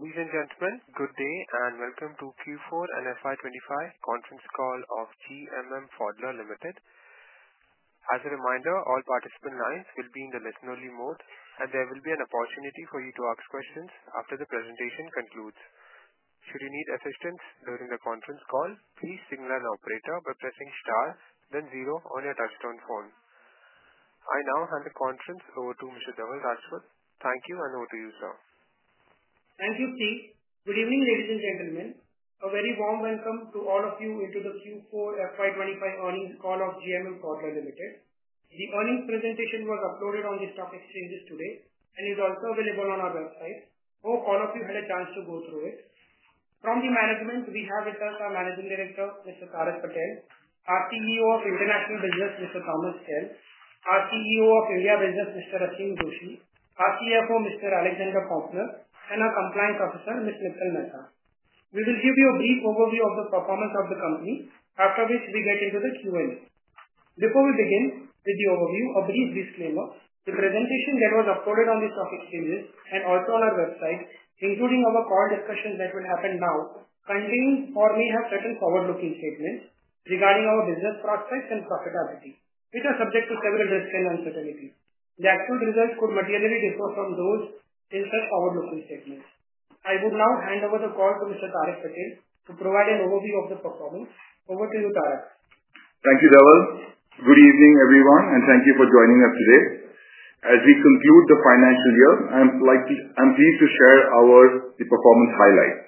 Ladies and gentlemen, good day and welcome to Q4 FY25 Conference Call of GMM Pfaudler Limited. As a reminder, all participant lines will be in the listen-only mode, and there will be an opportunity for you to ask questions after the presentation concludes. Should you need assistance during the conference call, please signal an operator by pressing star, then zero on your touch-tone phone. I now hand the conference over to Mr. Dhaval Rajput. Thank you, and over to you, sir. Thank you, Keith. Good evening, ladies and gentlemen. A very warm welcome to all of you to the Q4 FY25 Earnings Call of GMM Pfaudler Limited. The earnings presentation was uploaded on the stock exchanges today and is also available on our website. Hope all of you had a chance to go through it. From the management, we have with us our Managing Director, Mr. Tarak Patel, our CEO of International Business, Mr. Thomas Kehl, our CEO of India Business, Mr. Aseem Joshi, our CFO, Mr. Alexander Poempner, and our Compliance Officer, Ms. Mittal Mehta. We will give you a brief overview of the performance of the company, after which we get into the Q&A. Before we begin with the overview, a brief disclaimer: the presentation that was uploaded on the stock exchanges and also on our website, including our call discussions that will happen now, contain or may have certain forward-looking statements regarding our business prospects and profitability, which are subject to several risks and uncertainties. The actual results could materially differ from those in said forward-looking statements. I would now hand over the call to Mr. Tarak Patel to provide an overview of the performance. Over to you, Tarak. Thank you, Dhaval. Good evening, everyone, and thank you for joining us today. As we conclude the financial year, I'm pleased to share our performance highlights.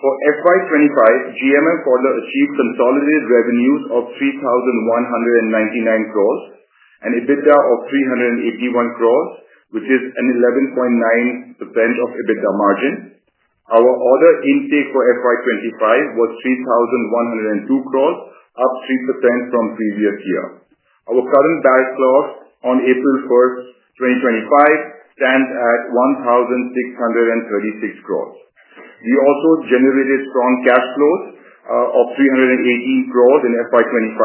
For FY25, GMM Pfaudler achieved consolidated revenues of 3,199 crore and EBITDA of 381 crore, which is an 11.9% EBITDA margin. Our order intake for FY25 was 3,102 crore, up 3% from previous year. Our current balance loss on April 1, 2025, stands at 1,636 crore. We also generated strong cash flows of 318 crore in FY25,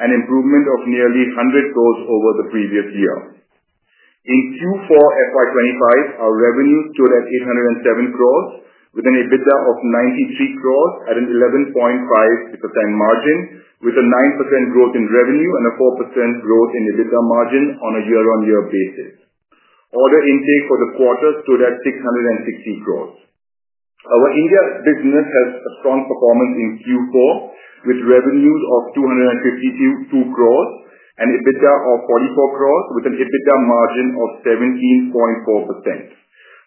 an improvement of nearly 100 crore over the previous year. In Q4 FY25, our revenues stood at 807 crore, with an EBITDA of 93 crore at an 11.5% margin, with a 9% growth in revenue and a 4% growth in EBITDA margin on a year-on-year basis. Order intake for the quarter stood at 660 crore. Our India business has a strong performance in Q4, with revenues of 252 crore and EBITDA of 44 crore, with an EBITDA margin of 17.4%.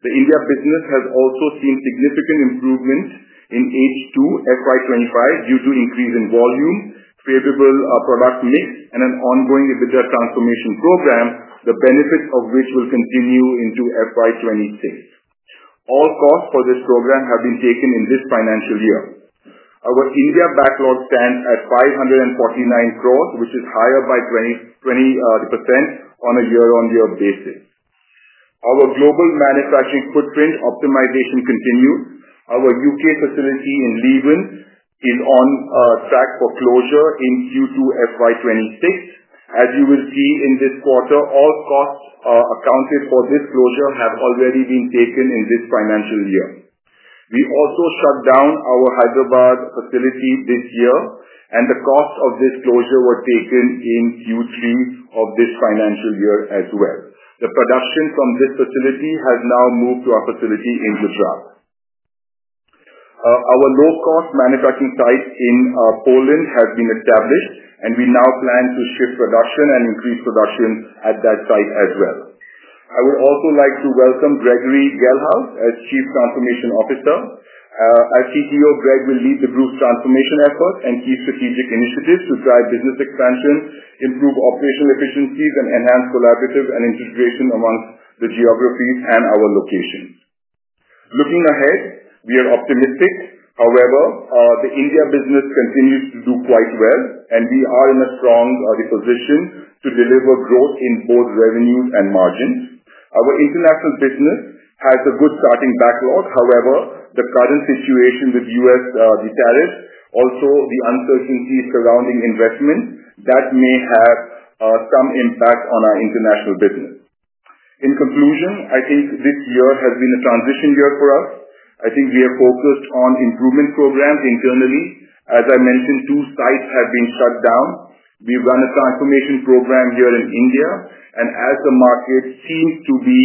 The India business has also seen significant improvements in H2 FY2025 due to an increase in volume, favorable productivity, and an ongoing EBITDA transformation program, the benefits of which will continue into FY2026. All costs for this program have been taken in this financial year. Our India backlog stands at 549 crore, which is higher by 20% on a year-on-year basis. Our global manufacturing footprint optimization continues. Our U.K. facility in Leavon is on track for closure in Q2 FY2026. As you will see in this quarter, all costs accounted for this closure have already been taken in this financial year. We also shut down our Hyderabad facility this year, and the costs of this closure were taken in Q2 of this financial year as well. The production from this facility has now moved to our facility in Gujarat. Our low-cost manufacturing site in Poland has been established, and we now plan to shift production and increase production at that site as well. I would also like to welcome Gregory Gelhaus as Chief Transformation Officer. As CTO, Greg will lead the group's transformation efforts and key strategic initiatives to drive business expansion, improve operational efficiencies, and enhance collaborative and integration among the geographies and our locations. Looking ahead, we are optimistic. However, the India business continues to do quite well, and we are in a strong position to deliver growth in both revenues and margins. Our international business has a good starting backlog. However, the current situation with U.S. tariffs, also the uncertainty surrounding investment, that may have some impact on our international business. In conclusion, I think this year has been a transition year for us. I think we are focused on improvement programs internally. As I mentioned, two sites have been shut down. We've run a transformation program here in India, and as the market seems to be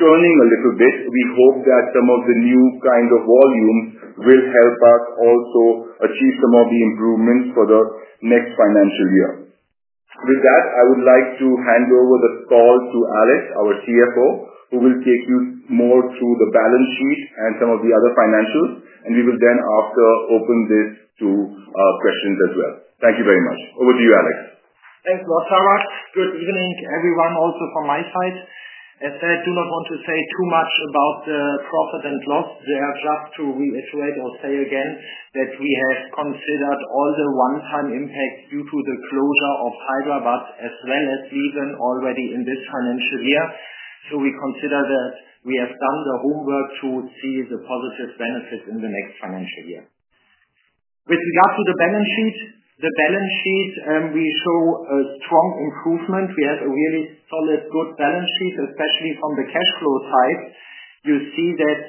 turning a little bit, we hope that some of the new kind of volume will help us also achieve some of the improvements for the next financial year. With that, I would like to hand over the call to Alex, our CFO, who will take you more through the balance sheet and some of the other financials. We will then also open this to questions as well. Thank you very much. Over to you, Alex. Thanks, Thomas. Good evening, everyone, also from my side. As I do not want to say too much about the profit and loss, just to reiterate or say again that we have considered all the one-time impacts due to the closure of Hyderabad as well as Leavon already in this financial year. We consider that we have done the homework to see the positive benefits in the next financial year. With regard to the balance sheet, the balance sheet, we show a strong improvement. We have a really solid, good balance sheet, especially from the cash flow side. You see that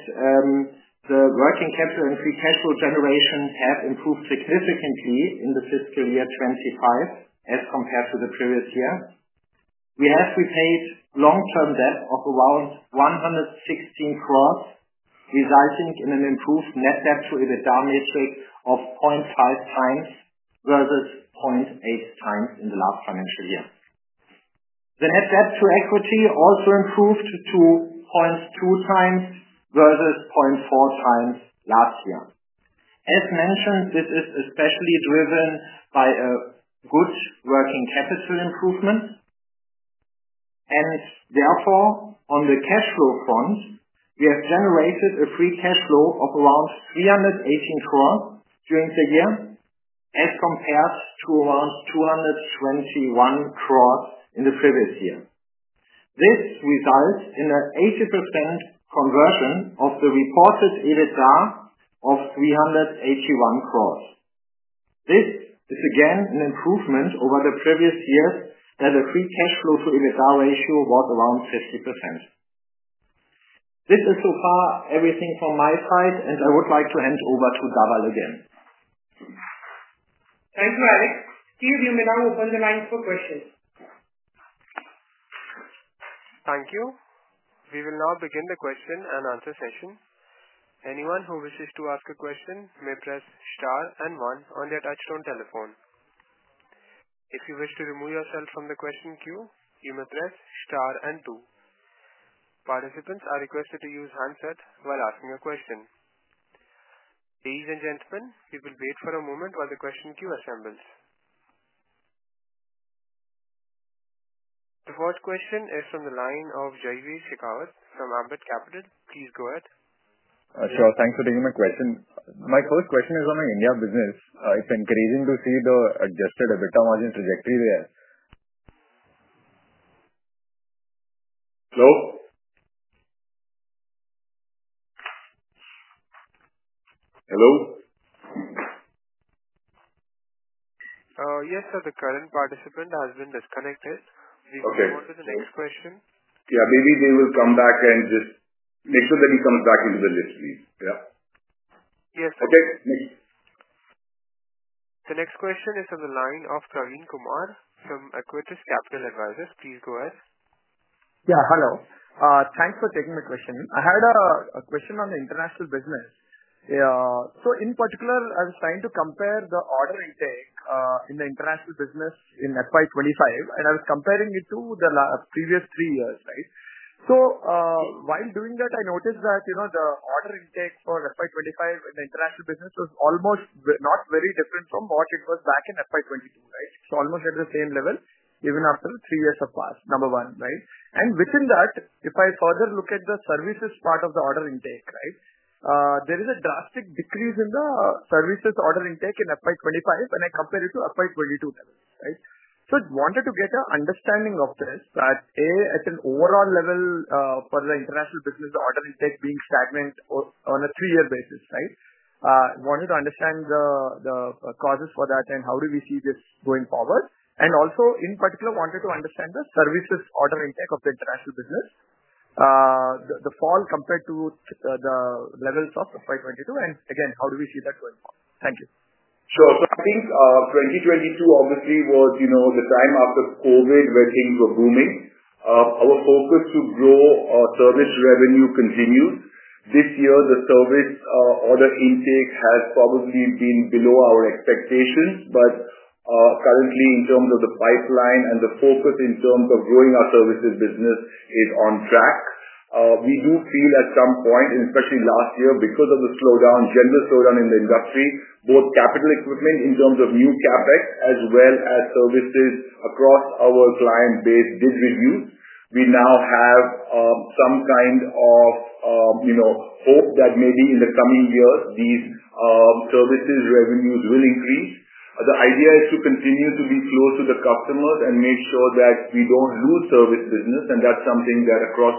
the working capital and free cash flow generations have improved significantly in the fiscal year 2025 as compared to the previous year. We have retained long-term debt of around 116 crore, resulting in an improved net debt to EBITDA matrix of 0.5 times versus 0.8 times in the last financial year. The net debt to equity also improved to 0.2 times versus 0.4 times last year. As mentioned, this is especially driven by a good working capital improvement. Therefore, on the cash flow front, we have generated a free cash flow of around 318 crore during the year as compared to around 221 crore in the previous year. This results in an 80% conversion of the reported EBITDA of 381 crore. This is again an improvement over the previous year that the free cash flow to EBITDA ratio was around 50%. This is so far everything from my side, and I would like to hand over to Dhaval again. Thank you, Alex. Do you have any other upper line for questions? Thank you. We will now begin the question and answer session. Anyone who wishes to ask a question may press star and one on their touch-tone telephone. If you wish to remove yourself from the question queue, you may press star and two. Participants are requested to use handset while asking a question. Ladies and gentlemen, you can wait for a moment while the question queue assembles. The first question is from the line of Jaiveer Shekhawat from Ambit Capital. Please go ahead. Sure, thanks for taking my question. My first question is on the India business. It's encouraging to see the adjusted EBITDA margin trajectory there. Hello? Hello? Yes, sir, the current participant has been disconnected. We will go to the next question. Yeah, maybe they will come back and just make sure that he comes back into the list, please. Yeah. Yes, sir. Okay. The next question is from the line of Kiran Kumar from Acquity Capital Advisors. Please go ahead. Yeah, hello. Thanks for taking my question. I had a question on the international business. In particular, I was trying to compare the order intake in the international business in FY 2025, and I was comparing it to the previous three years, right? While doing that, I noticed that the order intake for FY 2025 in the international business was almost not very different from what it was back in FY 2022, right? It is almost at the same level even after three years have passed, number one, right? Within that, if I further look at the services part of the order intake, there is a drastic decrease in the services order intake in FY 2025 when I compare it to the FY 2022 level, right? I wanted to get an understanding of this that, A, at an overall level for the international business, the order intake being stagnant on a three-year basis, right? I wanted to understand the causes for that and how do we see this going forward. Also, in particular, I wanted to understand the services order intake of the international business, the fall compared to the levels of FY 2022, and again, how do we see that going forward? Thank you. I think 2022 obviously was the time after COVID where things were booming. Our focus to grow service revenue continues. This year, the service order intake has probably been below our expectations, but currently, in terms of the pipeline and the focus in terms of growing our services business, is on track. We do feel at some point, and especially last year, because of the slowdown, general slowdown in the industry, both capital equipment in terms of new CapEx as well as services across our client base did reduce. We now have some kind of hope that maybe in the coming years, these services revenues will increase. The idea is to continue to be close to the customers and make sure that we don't lose service business, and that's something that across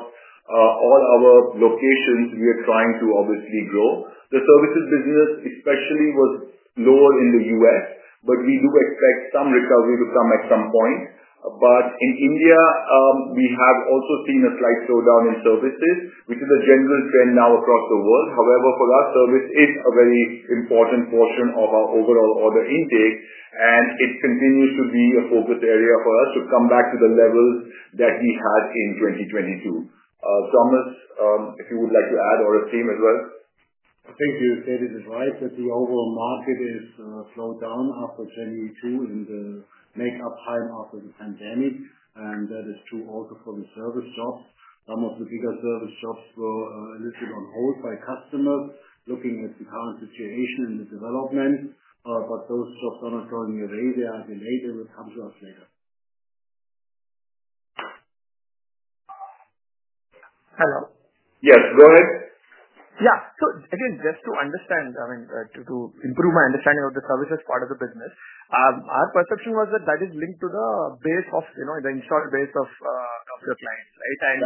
all our locations, we are trying to obviously grow. The services business especially was lower in the U.S., but we do expect some recovery to come at some point. In India, we have also seen a slight slowdown in services, which is a general trend now across the world. However, for that service, it's a very important portion of our overall order intake, and it continues to be a focus area for us to come back to the level that we had in 2022. Thomas, if you would like to add or Aseem as well. I think what you said is right, that the overall market has slowed down after 2022 and the makeup time after the pandemic. That is true also for the service job. Some of the bigger service jobs were a little on hold by customers looking at the current situation and its development, but those jobs are not going away. They are delayed. They will come to us later. Hello. Yes, go ahead. Yeah, just to understand, I mean, to improve my understanding of the services part of the business, our perception was that that is linked to the base of the insured base of the clients, right?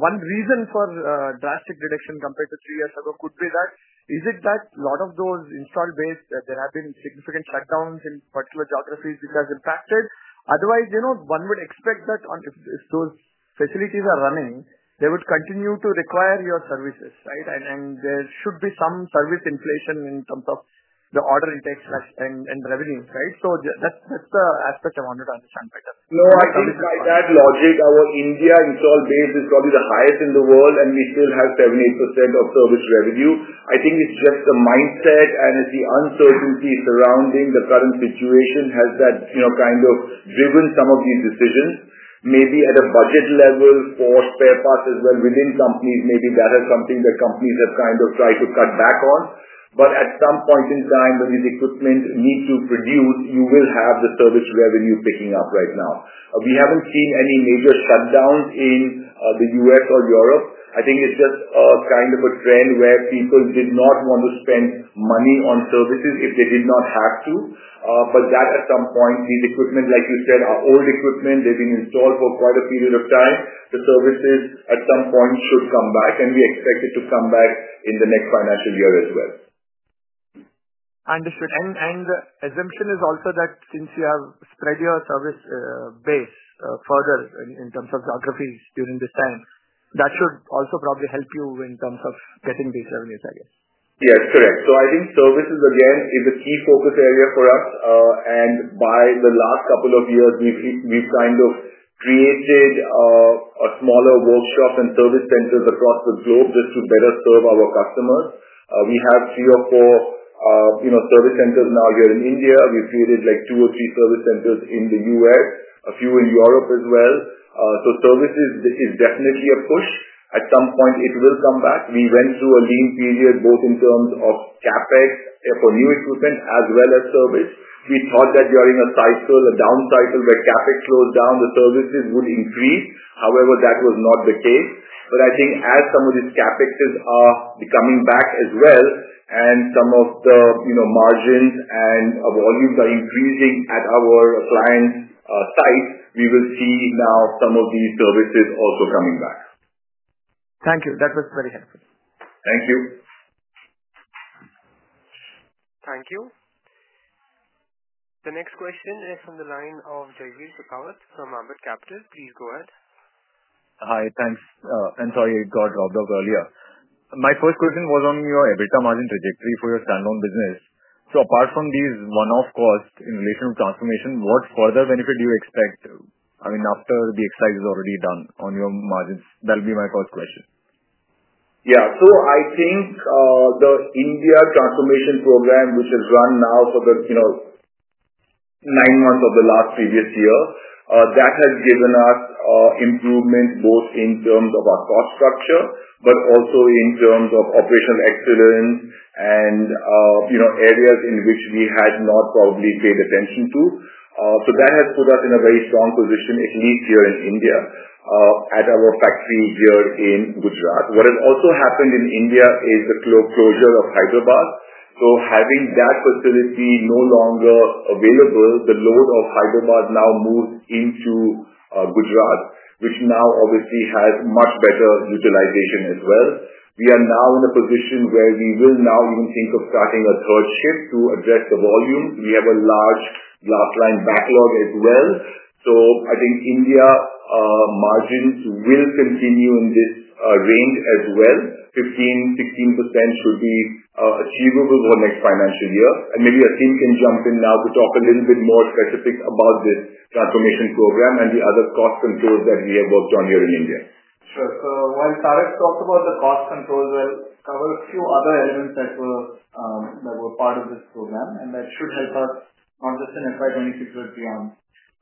One reason for drastic reduction compared to three years ago could be that is it that a lot of those insured base, there have been significant shutdowns in particular geographies it has impacted. Otherwise, one would expect that if those facilities are running, they would continue to require your services, right? There should be some service inflation in terms of the order intake and revenues, right? That is the aspect I wanted to understand better. No, I think by that logic, our India insured base is probably the highest in the world, and we still have 78% of service revenue. I think it's just the mindset and the uncertainty surrounding the current situation has that kind of driven some of these decisions. Maybe at a budget level for spare parts as well within companies, maybe that is something that companies have kind of tried to cut back on. At some point in time, when these equipment need to produce, you will have the service revenue picking up. Right now, we haven't seen any major shutdowns in the U.S. or Europe. I think it's just kind of a trend where people did not want to spend money on services if they did not have to. At some point, these equipment, like you said, are old equipment. They've been installed for quite a period of time. The services at some point should come back, and we expect it to come back in the next financial year as well. Understood. The assumption is also that since you have spread your service base further in terms of geographies during this time, that should also probably help you in terms of getting these revenues again? Yes, correct. I think services, again, is a key focus area for us. By the last couple of years, we've kind of created a smaller workshop and service centers across the globe just to better serve our customers. We have three or four service centers now here in India. We've created like two or three service centers in the U.S., a few in Europe as well. Services, this is definitely a push. At some point, it will come back. We went through a lean period both in terms of CapEx for new equipment as well as service. We thought that during a cycle, a down cycle where CapEx slows down, the services would increase. However, that was not the case. I think as some of these CapExes are coming back as well and some of the margins and volumes are increasing at our client sites, we will see now some of these services also coming back. Thank you. That was very helpful. Thank you. Thank you. The next question is from the line of Jaiveer Shekhawat from Ambit Capital. Please go ahead. Hi, thanks. I'm sorry I got dropped off earlier. My first question was on your EBITDA margin trajectory for your standalone business. Apart from these one-off costs in relation to transformation, what further benefit do you expect? I mean, after the exercise is already done on your margins, that'll be my first question. Yeah, I think the India transformation program, which has run now for the nine months of the last previous year, has given us improvement both in terms of our cost structure, but also in terms of operational excellence and areas in which we had not probably paid attention to. That has put us in a very strong position at least here in India at our factory here in Gujarat. What has also happened in India is the closure of Hyderabad. Having that facility no longer available, the load of Hyderabad has now moved into Gujarat, which now obviously has much better utilization as well. We are now in a position where we will now even think of starting a third shift to address the volume. We have a large last line backlog as well. I think India margins will continue in this range as well. 15% should be achievable for next financial year. Maybe Aseem can jump in now to talk a little bit more specifics about this transformation program and the other cost controls that we have worked on here in India. Sure. While Tarak talked about the cost controls, I'll cover a few other elements that were part of this program, and that should help us not just in FY 2022 but beyond.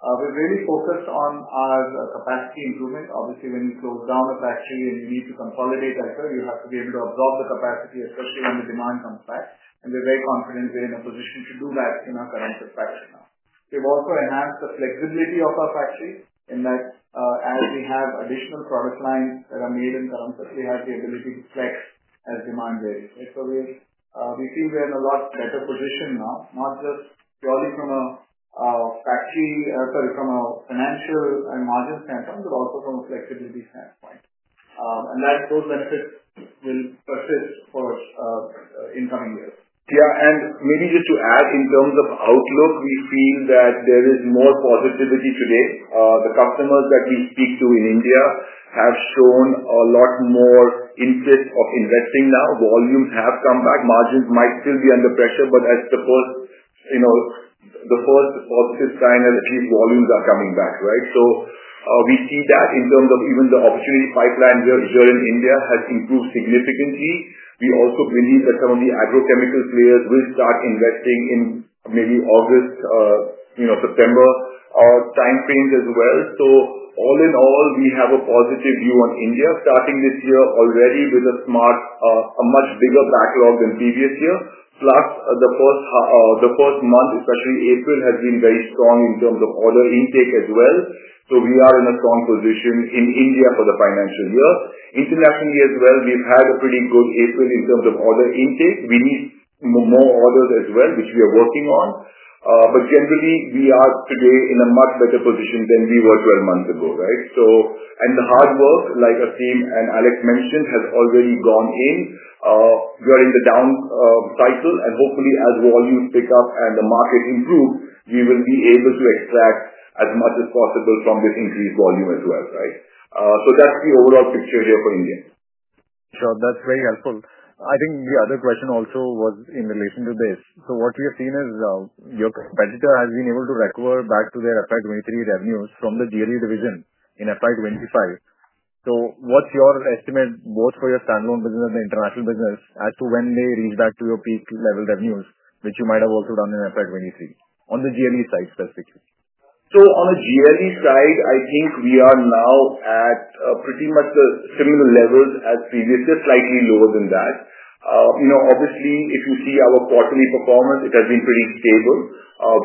We're very focused on our capacity improvement. Obviously, when you slow down a factory and you need to consolidate that, you have to be able to absorb the capacity especially when the demand comes back. We're very confident we're in a position to do that in our current perspective now. We've also enhanced the flexibility of our factory in that as we have additional product lines that are made in current, we have the ability to flex as demand varies. We've seen we're in a lot better position now, not just probably from a factory, sorry, from a financial and margin standpoint, but also from a flexibility standpoint. Those benefits will persist for incoming years. Yeah, and maybe just to add in terms of outlook, we feel that there is more positivity today. The customers that we speak to in India have shown a lot more interest of investing now. Volumes have come back. Margins might still be under pressure, but as the first obvious sign is these volumes are coming back, right? We see that in terms of even the opportunity pipeline here in India has improved significantly. We also believe that some of the agrochemical players will start investing in maybe August, September time frames as well. All in all, we have a positive view on India starting this year already with a much bigger backlog than previous year. Plus, the first month, especially April, has been very strong in terms of order intake as well. We are in a strong position in India for the financial year. Internationally as well, we've had a pretty good April in terms of order intake. We need more orders as well, which we are working on. Generally, we are today in a much better position than we were 12 months ago, right? The hard work, like Aseem and Alexander mentioned, has already gone in. We are in the down cycle, and hopefully, as volumes pick up and the market improves, we will be able to extract as much as possible from this increased volume as well, right? That is the overall picture here for India. That's very helpful. I think the other question also was in relation to this. What we have seen is your competitor has been able to recover back to their FY 2023 revenues from the GLE division in FY 2025. What's your estimate both for your standalone business and the international business as to when they reach back to your peak level revenues, which you might have also done in FY 2023 on the GLE side specifically? On the GLE side, I think we are now at pretty much similar levels as previous, just slightly lower than that. Obviously, if we see our quarterly performance, it has been pretty stable.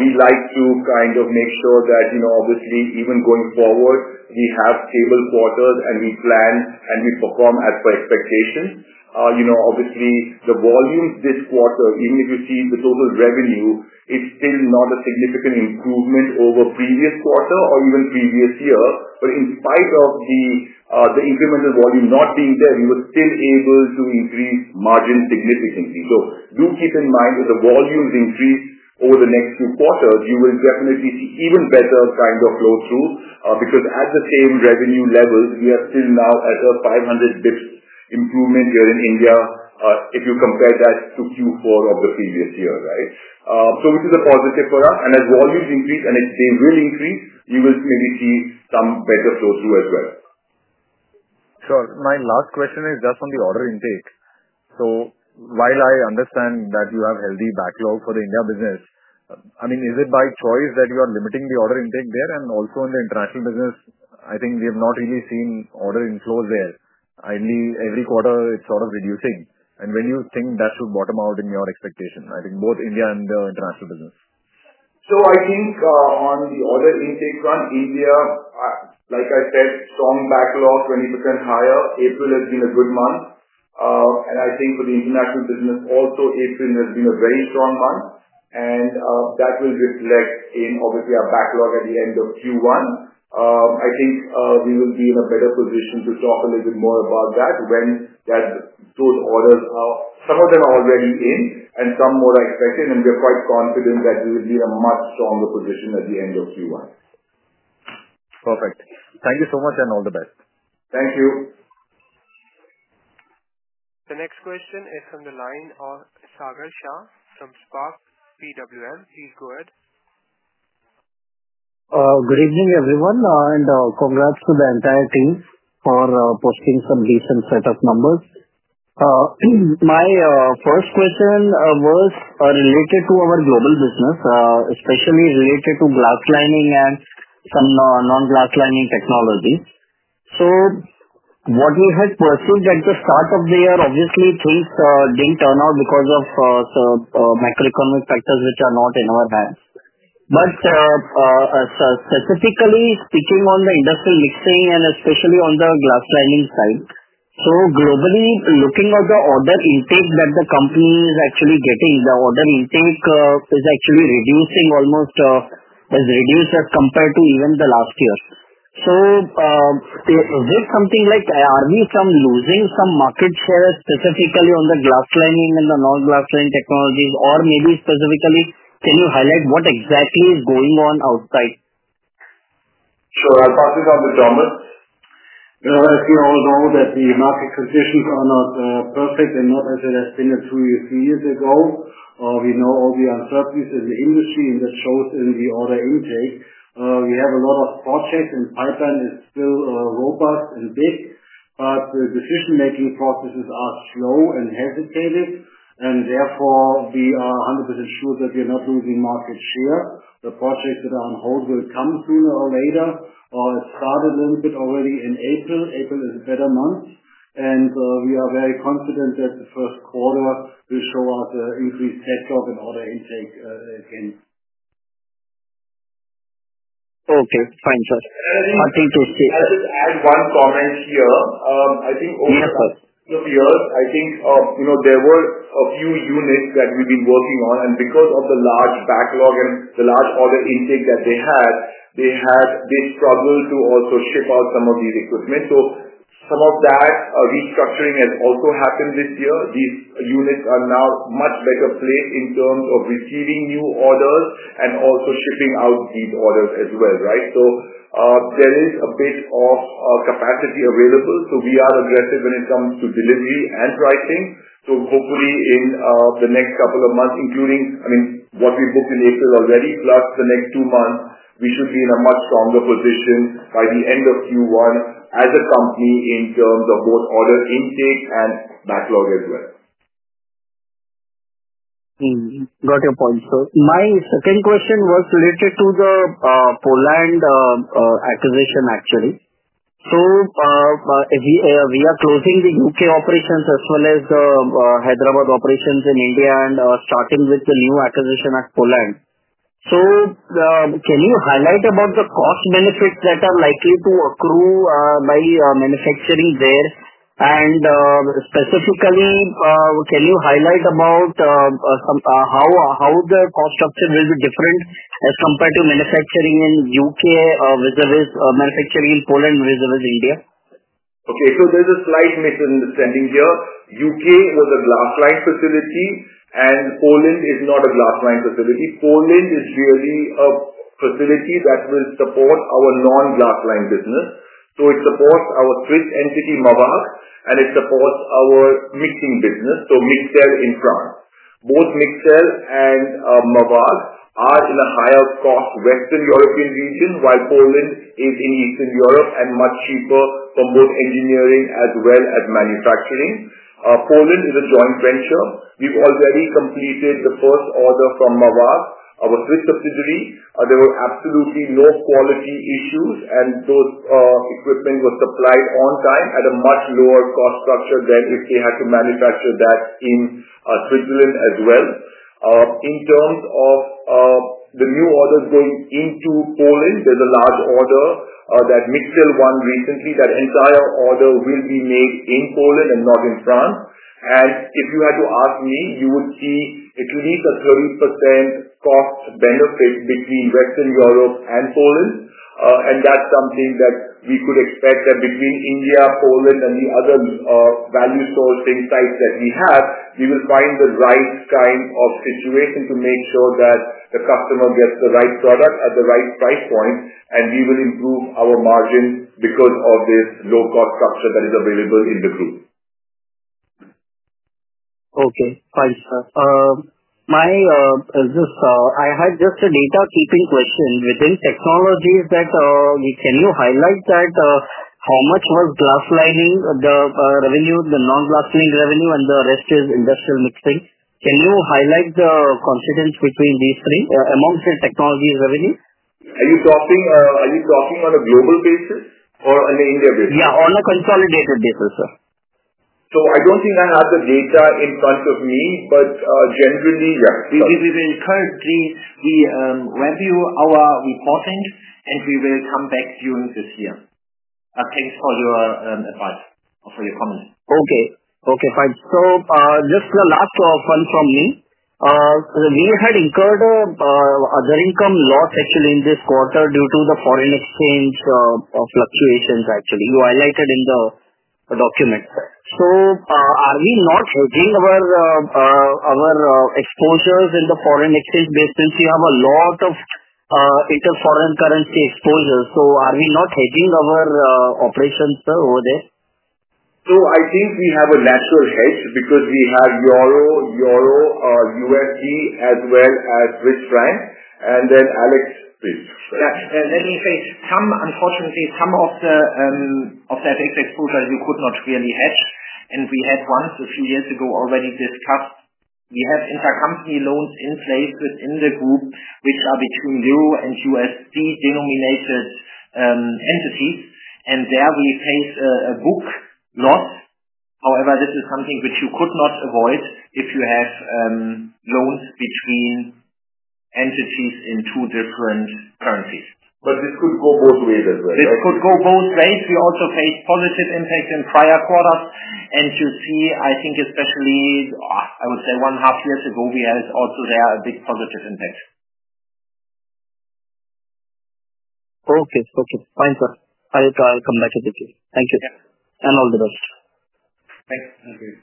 We like to kind of make sure that, obviously, even going forward, we have stable quarters and we plan and we perform as per expectation. Obviously, the volume this quarter, even if you see the total revenue, it's still not a significant improvement over previous quarter or even previous year. In spite of the incremental volume not being there, we were still able to increase margin significantly. Do keep in mind with the volumes increase over the next two quarters, you will definitely see even better kind of flow through because at the same revenue levels, we are still now at a 500 basis points improvement here in India if you compare that to Q4 of the previous year, right? Which is a positive for us. As volumes increase and it will increase, you will clearly see some better flow through as well. Sure. My last question is just on the order intake. While I understand that you have healthy backlog for the India business, I mean, is it by choice that you are limiting the order intake there? Also, in the international business, I think we have not really seen order inflows there. Ideally, every quarter, it's sort of reducing. When do you think that should bottom out in your expectation, I think both India and the international business? I think on the order intake front, India, like I said, strong backlog, 20% higher. April has been a good month. I think for the international business, also April has been a very strong month. That will reflect in obviously our backlog at the end of Q1. I think we will be in a better position to talk a little bit more about that when those orders are, some of them are already in and some more expected. We are quite confident that we will be in a much stronger position at the end of Q1. Perfect. Thank you so much and all the best. Thank you. The next question is from the line of Sagar Shah from Spark PWL. Please go ahead. Good evening, everyone. Congrats to the entire team for posting some decent set of numbers. My first question was related to our global business, especially related to glass lining and some non-glass lining technologies. What we had pursued at the start of the year obviously things did not turn out because of the macroeconomic factors which are not in our hands. Specifically speaking on the industrial mixing and especially on the glass lining side, globally looking at the order intake that the company is actually getting, the order intake is actually reducing, almost has reduced as compared to even the last year. Is there something like are we losing some market share specifically on the glass lining and the non-glass lining technologies? Maybe specifically, can you highlight what exactly is going on outside? Sure. I'll start with Thomas. You know, as we all know that the market situations are not perfect and not as it has been a few years ago. We know all the uncertainties of the industry and that shows in the order intake. We have a lot of projects and the pipeline is still robust and big, but the decision-making processes are slow and hesitated. Therefore, we are 100% sure that we are not losing market share. The projects that are on hold will come sooner or later. It started a little bit already in April. April is a better month. We are very confident that the first quarter will show us an increased network and order intake again. Okay. Thanks, Sir. I think we'll see. I have one comment here. I think over the past few years, I think there were a few units that we've been working on. Because of the large backlog and the large order intake that they had, they had this struggle to also ship out some of these equipment. Some of that restructuring has also happened this year. These units are now much better placed in terms of receiving new orders and also shipping out these orders as well, right? There is a bit of capacity available. We are aggressive when it comes to delivery and pricing. Hopefully in the next couple of months, including, I mean, what we booked in April already, plus the next two months, we should be in a much stronger position by the end of Q1 as a company in terms of both order intake and backlog as well. Got your point, sir. My second question was related to the Poland acquisition, actually. We are closing the U.K. operations as well as the Hyderabad operations in India and starting with the new acquisition at Poland. Can you highlight about the cost benefits that are likely to accrue by manufacturing there? Specifically, can you highlight about how the cost structure is different as compared to manufacturing in the U.K. versus manufacturing in Poland versus India? Okay. There is a slight misunderstanding here. U.K. was a glass-lined facility and Poland is not a glass-lined facility. Poland is really a facility that will support our non-glass-lined business. It supports our Swiss entity, Mavak, and it supports our EC business, so Mixsel in France. Both Mixsel and Mavak are in a higher cost Western European region while Poland is in Eastern Europe and much cheaper for both engineering as well as manufacturing. Poland is a joint venture. We have already completed the first order from Mavak, our Swiss subsidiary. There were absolutely no quality issues, and that equipment was supplied on time at a much lower cost structure than if we had to manufacture that in Switzerland as well. In terms of the new orders going into Poland, there is a large order that Mixsel won recently. That entire order will be made in Poland and not in France. If you had to ask me, you would see a 20%+ cost benefit between Western Europe and Poland. That is something that we could expect, that between India, Poland, and the other value sourcing sites that we have, we will find the right kind of situation to make sure that the customer gets the right product at the right price point, and we will improve our margin because of this low-cost structure that is available in the region. Okay. Thanks, sir. I had just a data keeping question. Within technologies, can you highlight that how much was glass lining the revenue, the non-glass lining revenue, and the rest is industrial mixing? Can you highlight the consequence between these three amongst the technology revenues? Are you talking on a global basis or on an India basis? Yeah, on a consolidated basis, sir. I don't think I have the data in front of me, but generally, yeah. We will encourage the review of our reporting, and we will come back during this year. Thanks for your advice or for your comments. Okay. Okay. Thanks. Just the last one from me. We had incurred a very common loss actually in this quarter due to the foreign exchange fluctuations actually. You highlighted in the document. Are we not hedging our exposures in the foreign exchange basis? We have a lot of inter-foreign currency exposures. Are we not hedging our operations, sir, over there? I think we have a natural hedge because we had Euro, Euro, USD, as well as Swiss Franc. Alex, please. Let me say, unfortunately, some of the exposures you could not really hedge. We had one a few years ago already discussed. We have intercompany loans in place within the group, which are between Euro and USD denominated entities. There we face a book loss. However, this is something which you could not avoid if you have loans between entities in two different currencies. This could go both ways as well. This could go both ways. We also faced positive impacts in prior quarters. You see, I think especially, I would say one and a half years ago, we had also there a big positive impact. Okay. Thanks, sir. I'll come back with you. Thank you. All the best. Thanks. Thank you.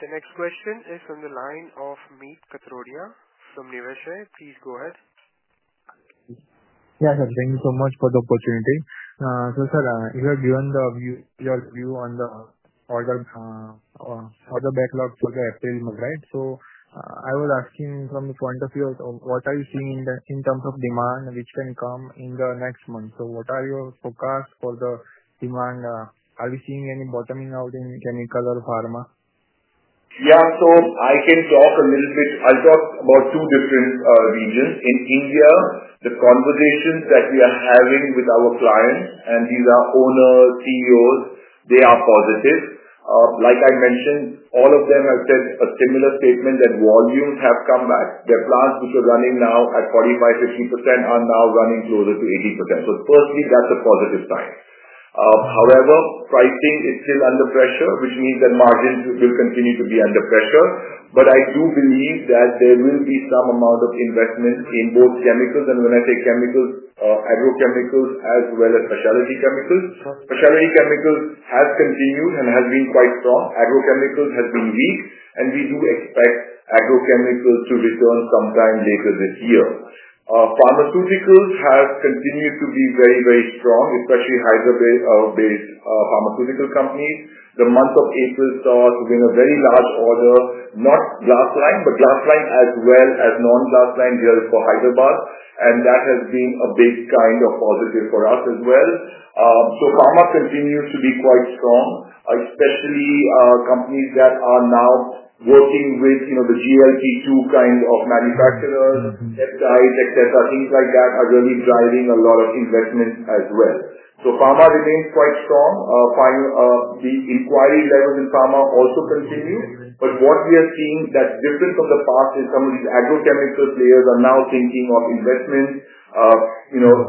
The next question is from the line of Meet Katrodiya with Niveshaay, please go ahead. Yeah, sir, thank you so much for the opportunity. Sir, you have given your view on the order backlog for April, right? I was asking from the point of view of what are you seeing in terms of demand which can come in the next month? What are your forecasts for the demand? Are we seeing any bottoming out in chemical or pharma? Yeah, so I can talk a little bit. I'll talk about two different regions. In India, the conversations that we are having with our clients and these are owner CEOs, they are positive. Like I mentioned, all of them have said a similar statement that volumes have come back. Their plants which are running now at 45-50% are now running closer to 80%. Firstly, that's a positive sign. However, pricing is still under pressure, which means that margins will continue to be under pressure. I do believe that there will be some amount of investment in both chemicals. When I say chemicals, agrochemicals as well as specialty chemicals. Specialty chemicals have continued and have been quite strong. Agrochemicals have been weak. We do expect agrochemicals to return sometime later this year. Pharmaceuticals have continued to be very, very strong, especially Hyderabad-based pharmaceutical companies. The month of April starts with a very large order, not glass line, but glass line as well as non-glass line drills for Hyderabad. That has been a big kind of positive for us as well. Pharma continues to be quite strong, especially companies that are now working with the GLP-1 kind of manufacturers, peptides, etc. Things like that are really driving a lot of investment as well. Pharma remains quite strong. The inquiry level in pharma also continues. What we are seeing that's different from the past is some of these agrochemical players are now thinking of investment.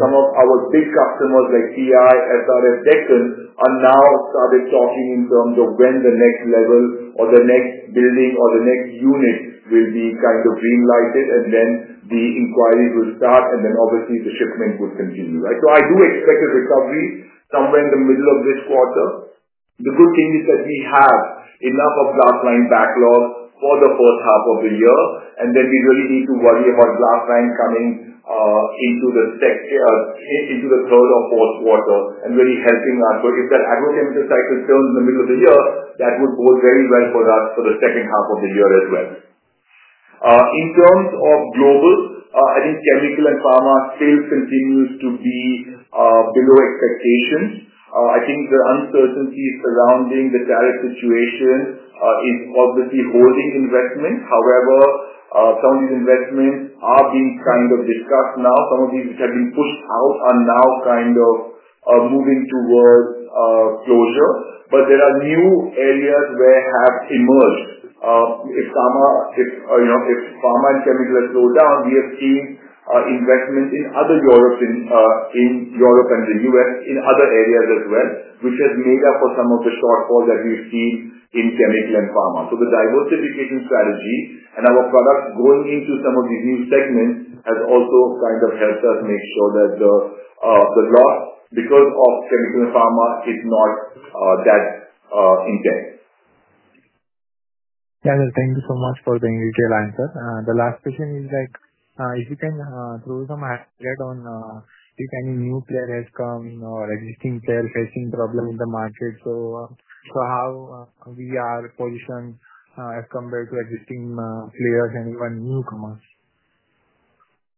Some of our big customers like TI, SRF, Decton are now started talking in terms of when the next level or the next building or the next unit will be kind of greenlighted. The inquiry will start. Obviously, the shipment would continue, right? I do expect a recovery somewhere in the middle of this quarter. The good thing is that we have enough of glass line backlog for the first half of the year. Then we really need to worry about glass line coming into the third or fourth quarter and really helping us. If that agrochemical cycle turns in the middle of the year, that would bode very well for us for the second half of the year as well. In terms of global, I think chemical and pharma sales continues to be below expectations. I think the uncertainty surrounding the tariff situation is obviously holding investments. However, some of these investments are being kind of discussed now. Some of these which have been pushed out are now kind of moving towards closure. There are new areas where have emerged. If pharma and chemicals slow down, we have seen investment in other Europe and the U.S. in other areas as well, which has made up for some of the shortfalls that we've seen in chemical and pharma. The diversification strategy and our product going into some of these new segments has also kind of helped us make sure that the loss because of chemical and pharma is not that intense. Yeah, thank you so much for the detailed answer. The last question is that if you can throw some head on any new player has come or existing player facing problem in the market, so how we are positioned as compared to existing players and even newcomers?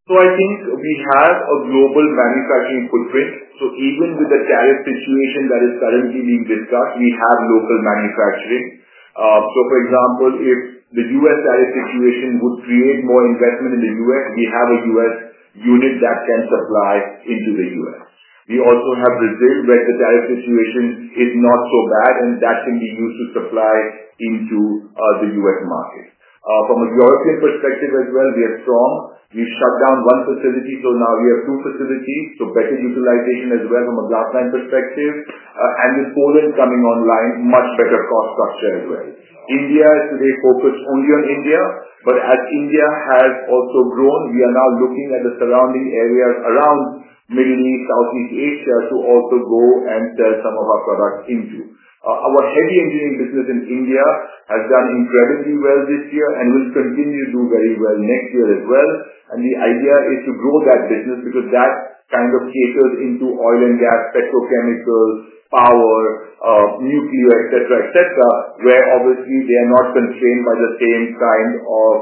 I think we have a global manufacturing footprint. Even with the tariff situation that is currently being discussed, we have local manufacturing. For example, if the U.S. tariff situation would create more investment in the U.S., we have a U.S. unit that can supply into the U.S. We also have Brazil where the tariff situation is not so bad, and that can be used to supply into the U.S. market. From a European perspective as well, we are strong. We shut down one facility, so now we have two facilities. Better utilization as well from a glass line perspective. With Poland coming online, much better cost structure as well. India is today focused only on India. As India has also grown, we are now looking at the surrounding areas around Middle East, Southeast Asia to also go and sell some of our products into. Our heavy engineering business in India has done incredibly well this year and will continue to do very well next year as well. The idea is to grow that business because that kind of catered into oil and gas, petrochemical, power, nuclear, etc., etc., where obviously they are not constrained by the same kind of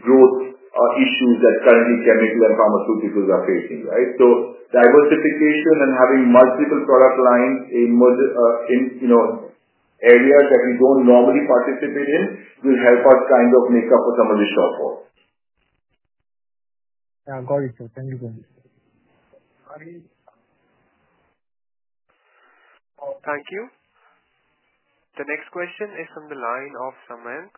growth issues that currently chemical and pharmaceuticals are facing, right? Diversification and having multiple product lines in areas that we do not normally participate in will help us kind of make up for some of these shortfalls. Thank you. Thank you. The next question is from the line of Samanth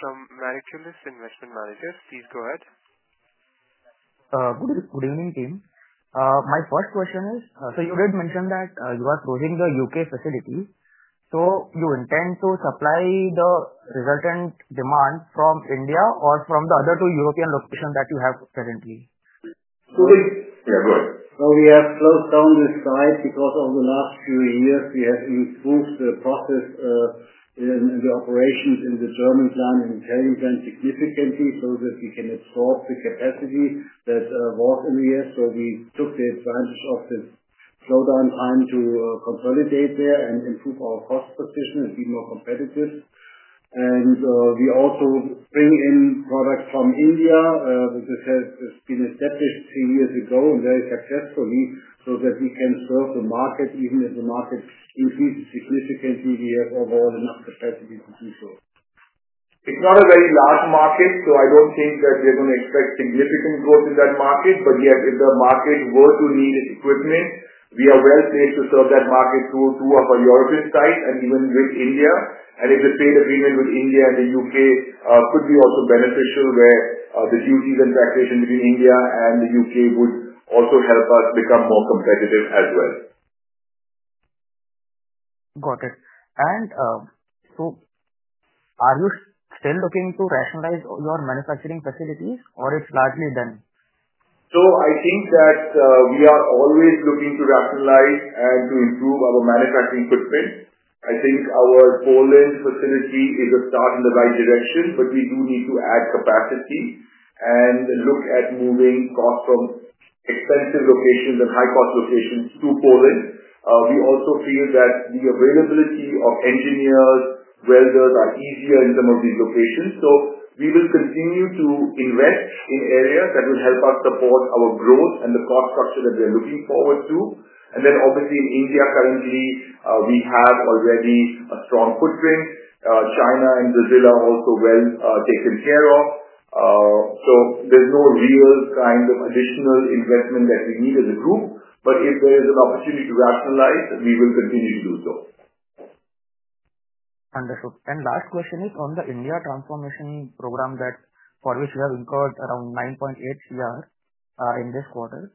from Mariculous Investment Managers. Please go ahead. Good evening, team. My first question is, you did mention that you are closing the U.K. facility. Do you intend to supply the resultant demand from India or from the other two European locations that you have currently? Yeah, go ahead. We have closed down the site because of the last few years. We have improved the process in the operations in the German plant and the Italian plant significantly so that we can absorb the capacity that was in the U.S. We took the advantage of this slowdown time to consolidate there and improve our cost position and be more competitive. We also bring in products from India because it has been established a few years ago and very successfully so that we can serve the market even if the market increases significantly. We have overall enough capacity to do so. It's not a very large market, so I don't think that we're going to expect significant growth in that market. Yet, if the market were to need this equipment, we are well placed to serve that market through our priority sites and even with India. If the trade agreement with India and the U.K. could be also beneficial where the due deal transaction between India and the U.K. would also help us become more competitive as well. Got it. Are you still looking to rationalize your manufacturing facilities, or it's largely done? I think that we are always looking to rationalize and to improve our manufacturing footprint. I think our Poland facility is a start in the right direction, but we do need to add capacity and look at moving costs from expensive locations and high-cost locations to Poland. We also feel that the availability of engineers and welders are easier in some of these locations. We will continue to invest in areas that will help us support our growth and the cost structure that we are looking forward to. Obviously, in India currently, we have already a strong footprint. China and Brazil are also well taken care of. There is no real kind of additional investment that we need as a group. If there is an opportunity to rationalize, we will continue to do so. Wonderful. Last question is on the India transformation program for which you have incurred around 9.8 crore in this quarter.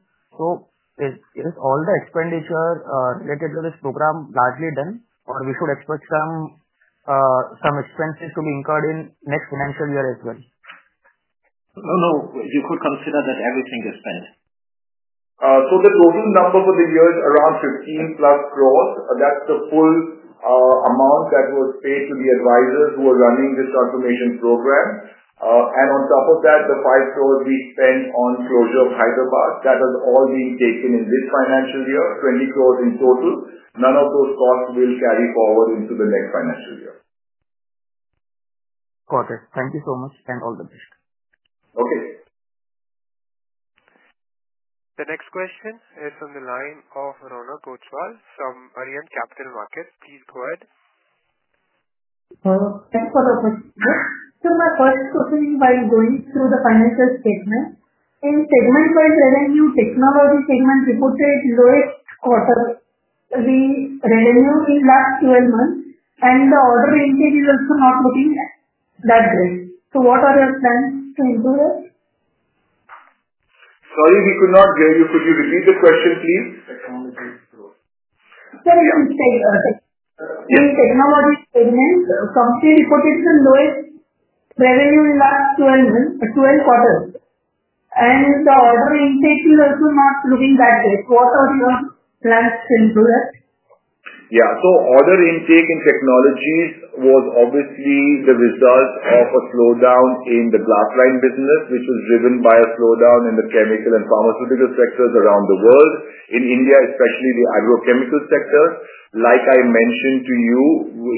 Is all the expenditure related to this program largely done, or should we expect some expenses to be incurred in next financial year as well? No, no. You could consider that everything is spent. The total number for the year is around 15 crore. That's the full amount that was paid to the advisors who are running this transformation program. On top of that, the 5 crore we spent on closure of Hyderabad, that has all been taken in this financial year, 20 crore in total. None of those costs will carry forward into the next financial year. Got it. Thank you so much and all the best. The next question is from the line of Ronak Oswal from Arihant Capital Markets. Please go ahead. Thanks for the question. My first question is while going through the financial statement, in segment-wise revenue, technology segment reported is always quarterly. The revenue is last 12 months, and the order intake is also not looking that great. What are your plans to improve it? Sorry, we could not hear you. Could you repeat the question, please? Technology segment. Complete reported is always revenue in last 12 quarters. The order intake is also not looking that great. What are your plans to improve it? Yeah. Order intake in technologies was obviously the result of a slowdown in the glass line business, which was driven by a slowdown in the chemical and pharmaceutical sectors around the world. In India, especially the agrochemical sector. Like I mentioned to you,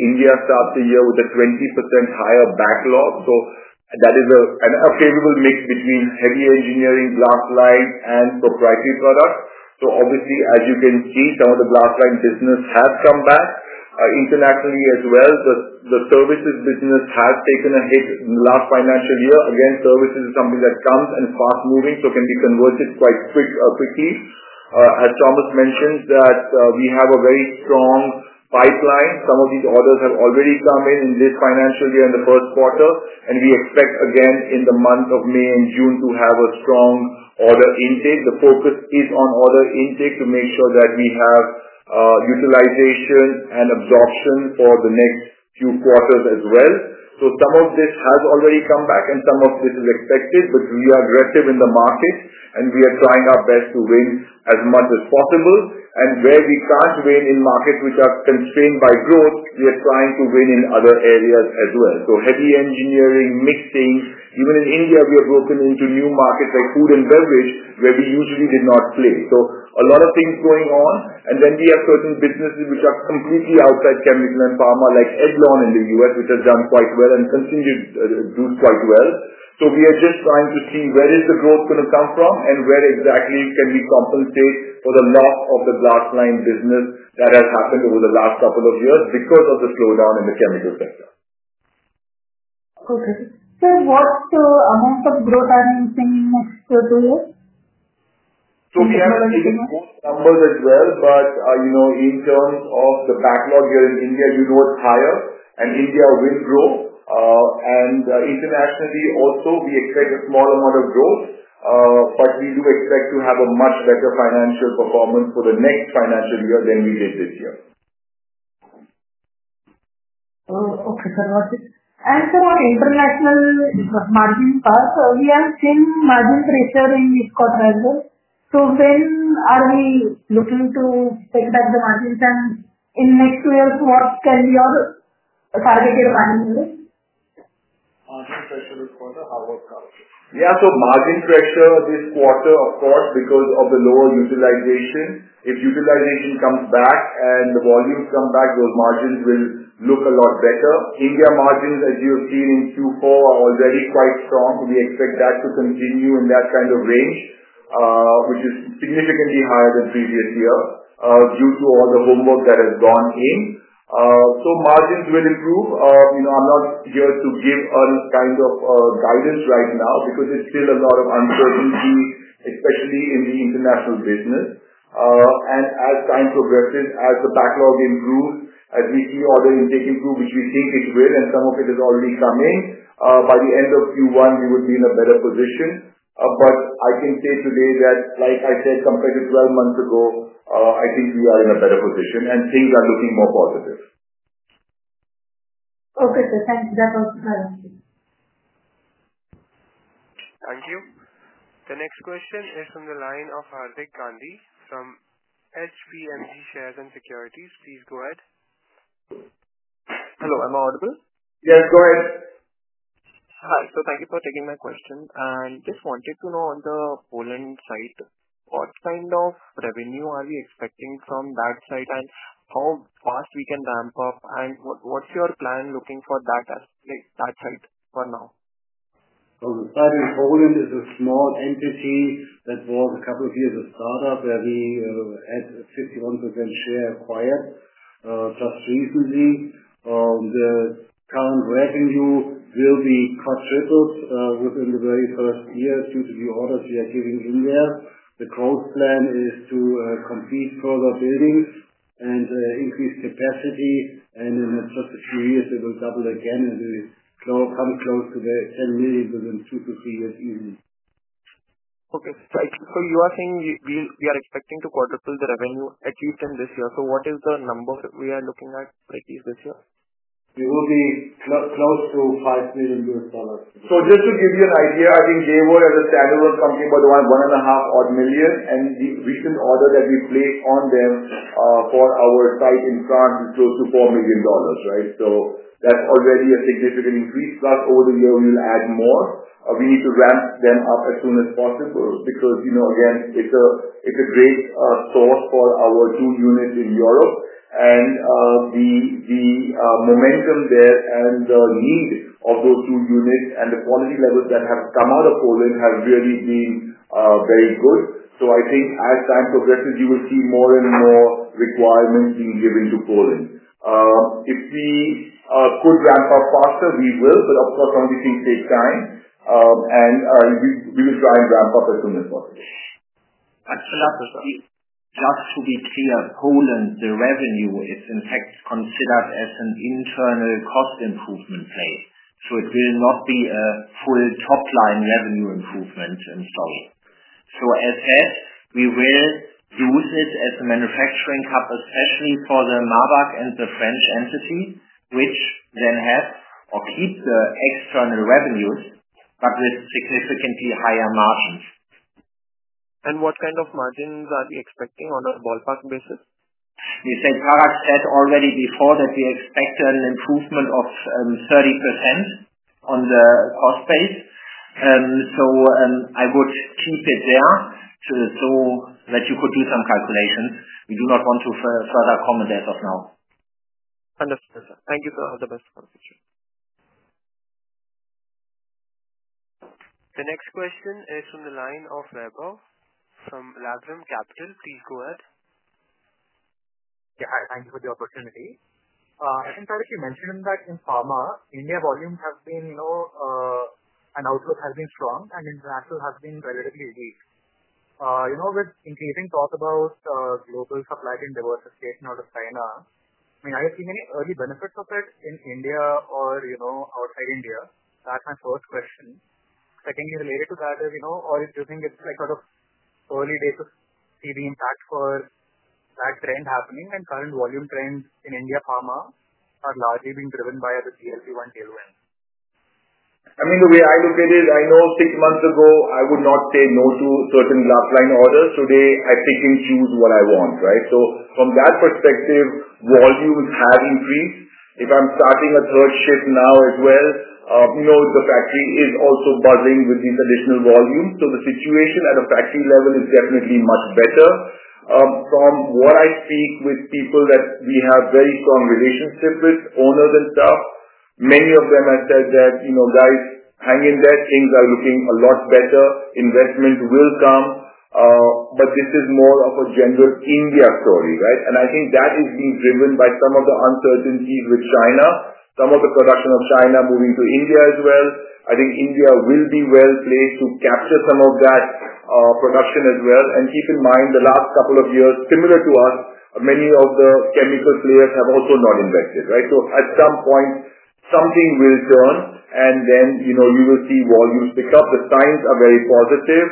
India started the year with a 20% higher backlog. That is a favorable mix between heavy engineering, glass line, and proprietary products. Obviously, as you can see, some of the glass line business has come back. Internationally as well, the services business has taken a hit in the last financial year. Again, services is something that comes and is fast-moving, so can be converted quite quickly. As Thomas mentioned, we have a very strong pipeline. Some of these orders have already come in in this financial year in the first quarter. We expect again in the month of May and June to have a strong order intake. The focus is on order intake to make sure that we have utilization and absorption for the next few quarters as well. Some of this has already come back, and some of this is expected, but we are aggressive in the market, and we are trying our best to win as much as possible. Where we cannot win in markets which are constrained by growth, we are trying to win in other areas as well. Heavy engineering mixing, even in India, we have broken into new markets like food and beverage, where we usually did not play. A lot of things are going on. We have certain businesses which are completely outside chemical and pharma, like Chevron in the U.S., which has done quite well and continues to do quite well. We are just trying to see where the growth is going to come from and where exactly we can compensate for the loss of the glass line business that has happened over the last couple of years because of the slowdown in the chemical sector. Okay. What amount of growth are you seeing to do this? We are seeing both numbers as well. In terms of the backlog here in India, you know it's higher, and India will grow. Internationally also, we expect a small amount of growth, but we do expect to have a much better financial performance for the next financial year than we did this year. Okay, sir got it. And sir, in internationally, it was margin stuff. We have seen margin pressure in this quarter as well. When are we looking to take back the margin time in next year's quarter? Can we all target it ahead of time? Margin pressure this quarter, how much? Yeah, margin pressure this quarter, of course, because of the lower utilization. If utilization comes back and the volumes come back, those margins will look a lot better. India margins, as you have seen in Q4, are already quite strong. We expect that to continue in that kind of range, which is significantly higher than previous year due to all the homework that has gone in. Margins will improve. I'm not here to give any kind of guidance right now because it's still a lot of uncertainty, especially in the international business. As time progresses, as the backlog improves, as we see order intake improve, which we think it will, and some of it has already come in, by the end of Q1, we would be in a better position. I can say today that, like I said, compared to 12 months ago, I think we are in a better position, and things are looking more positive. Okay, thank you. That was fantastic. Thank you. The next question is from the line of Hardik Gandhi from HPMG Shares and Securities. Please go ahead. Hello, am I audible? Yes, go ahead. Thank you for taking my question. I just wanted to know on the Poland side, what kind of revenue are you expecting from that site and how fast we can ramp up? What's your plan looking for that as it starts for now? The site is holding as a small entity that was a couple of years of startup where we had a 51% share acquired just recently. The current revenue will be cut triple within the very first year due to the orders we are giving in there. The growth plan is to complete further buildings and increase capacity. In the next few years, it will double again and will come close to 7 million within two to three years even. Okay. You are saying we are expecting to quarter fill the revenue at least in this year. What is the number we are looking at this year? It will be close to $5 million. Just to give you an idea, I think Jaywater is a saleable company for the $1.5 million odd. The recent order that we placed on them for our site in France is close to $4 million, right? That is already a significant increase. Plus, over the year, we will add more. We need to ramp them up as soon as possible because, again, it is a great thought for our two units in Europe. The momentum there and the need of those two units and the quality levels that have come out of Poland have really been very good. I think as time progresses, you will see more and more requirements being given to Poland. If we could ramp up faster, we will, but upfront, we think it takes time. We will try and ramp up as soon as possible. Last question. Last quarter here, Poland's revenue is in fact considered as an internal cost improvement plan. It will not be a full top-line revenue improvement installed. As such, we will use it as a manufacturing hub especially for the Marbach and the French entity, which then have or keep the external revenues, but with significantly higher margins. What kind of margins are we expecting on a ballpark basis? We said Tarak said already before that we expect an improvement of 30% on the cost base. I would keep it there so that you could do some calculation. We do not want to further comment as of now. Understood. Thank you sir, all the best one. The next question is from the line of Vibhav from Laburnum Capital. Please go ahead. Yeah, I thank you for the opportunity. As I mentioned that in pharma, India volumes have been and outlook has been strong, and international has been relatively easy. With increasing thought about global supply chain diversification out of China, I mean, are you seeing any early benefits of it in India or outside India? That's my first question. Secondly, related to that, are you doing it like sort of early days of seeing impact for that trend happening? Current volume trends in India pharma are largely being driven by the GLP-1, GLP-1? I mean, the way I look at it, I know six months ago, I would not say no to certain glass line orders. Today, I pick and choose what I want, right? From that perspective, volumes have increased. If I'm starting a third shift now as well, the factory is also buzzing with these additional volumes. The situation at a factory level is definitely much better. From what I speak with people that we have very strong relationships with, owners and stuff, many of them have said that, "Guys, hang in there. Things are looking a lot better. Investment will come." This is more of a general India story, right? I think that is being driven by some of the uncertainties with China, some of the production of China moving to India as well. I think India will be well placed to capture some of that production as well. Keep in mind, the last couple of years, similar to us, many of the chemical players have also not invested, right? At some point, something will turn, and we will see volumes pick up. The signs are very positive.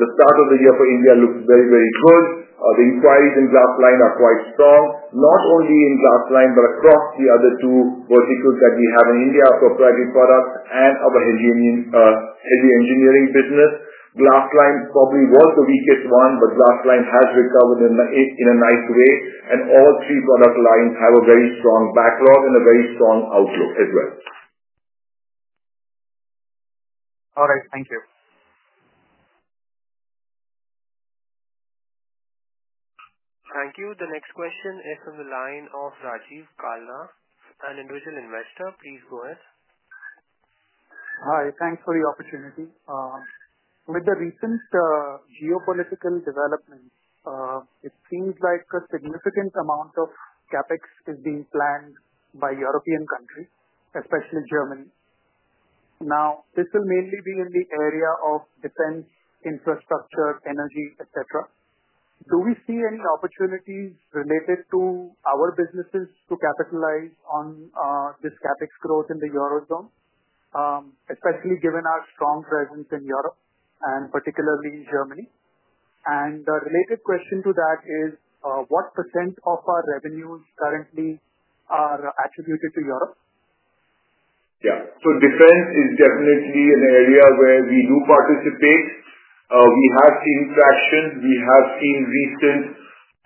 The start of the year for India looks very, very good. The inquiries in glass line are quite strong, not only in glass line, but across the other two verticals that we have in India, proprietary products and other heavy engineering business. Glass line probably was the weakest one, but glass line has recovered in a night today. All three product lines have a very strong backlog and a very strong outlook as well. All right. Thank you. Thank you. The next question is from the line of Rajiv Kalna, an individual investor. Please go ahead. Hi. Thanks for the opportunity. With the recent geopolitical development, it seems like a significant amount of CapEx is being planned by European countries, especially Germany. This will mainly be in the area of defense, infrastructure, energy, etc. Do we see any opportunities related to our businesses to capitalize on this CapEx growth in the Eurozone, especially given our strong presence in Europe and particularly Germany? A related question to that is, what % of our revenues currently are attributed to Europe? Yeah. Defense is definitely an area where we do participate. We have seen traction. We have seen recent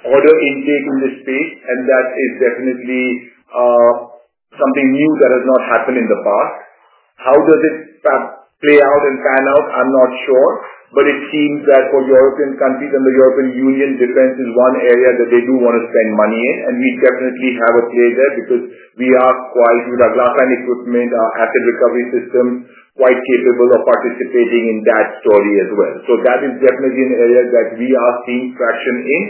order intake in the space, and that is definitely something new that has not happened in the past. How does it play out and pan out? I'm not sure. It seems that for European countries and the European Union, defense is one area that they do want to spend money in. We definitely have a play there because we are quite, with our glass-lined equipment, asset recovery system, quite capable of participating in that story as well. That is definitely an area that we are seeing traction in.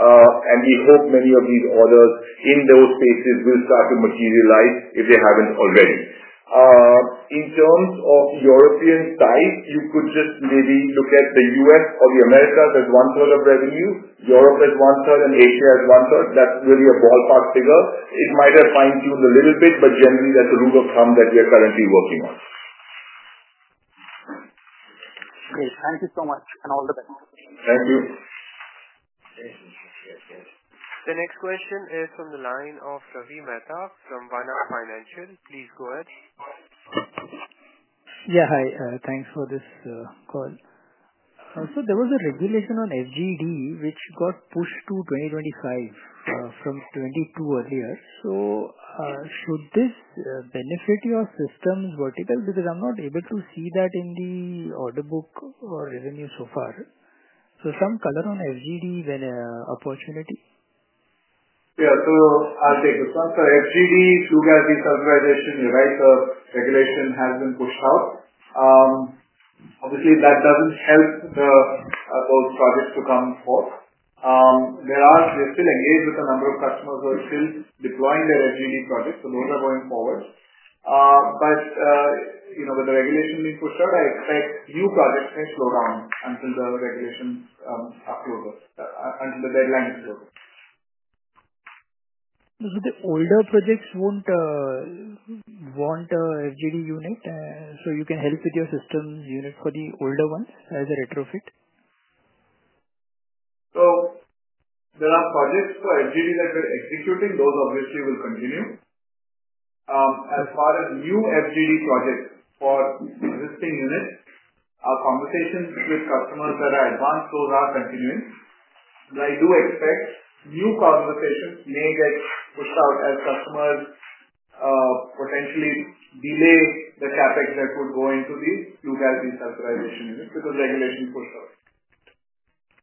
We hope many of these orders in those spaces will start to materialize if they haven't already. In terms of European side, you could just maybe look at the U.S. or the Americas as one-third of revenue, Europe as one-third, and Asia as one-third. That's really a ballpark figure. It might have fine-tuned a little bit, but generally, that's a rule of thumb that we are currently working on. Okay. Thank you so much, and all the best. Thank you. The next question is from the line of Ravi Metha from One-up Financial. Please go ahead. Yeah, hi. Thanks for this call. There was a regulation on SGD, which got pushed to 2025 from 2022 earlier. Does this benefit your systems vertical because I'm not able to see that in the order book or revenue so far? Some color on SGD and opportunities? Yeah. That is a good one, so FGD, flue gas desulfurization, you're right, regulation has been pushed out. Obviously, that doesn't help those projects to come forward. There are still engaged with a number of customers who are still deploying their FGD projects, so those are going forward. With the regulation being pushed out, I expect new projects can slow down until the regulations are closed, until the deadline is closed. Do the older projects want SGD unit so you can help with your systems unit for the older ones as a retrofit? There are projects for FGD that we're executing. Those obviously will continue. As far as new FGD projects for existing units, our conversations with customers that are advanced, those are continuing. I do expect new conversations may get pushed out as customers potentially delay the CapEx that would go into these flue gas desulfurization units because regulation pushed out.